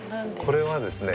これはですね